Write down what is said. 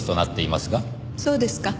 そうですか。